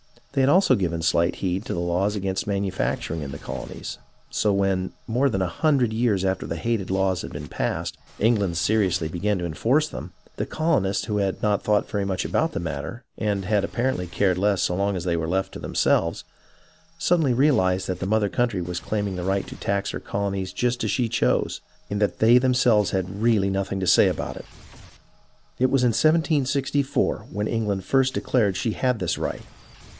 They had also given slight heed to the laws against manufacturing in the colonies, so when, more than a hundred years after the hated laws had been passed, England seriously began to enforce them, the colonists, who had not thought very much about the matter, and had apparently cared less so long as they were left to them selves, suddenly realized that the mother country was claiming the right to tax her colonies just as she chose, and that they themselves had really nothing to say about it. It was in 1764, when England first declared she had this right.